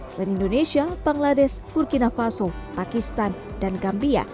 selain indonesia bangladesh turkina faso pakistan dan gambia